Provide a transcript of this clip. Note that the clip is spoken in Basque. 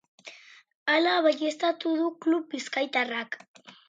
Hala baieztatu du club bizkaitarrak.